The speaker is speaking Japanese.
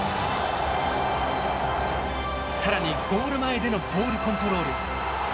更にゴール前でのボールコントロール。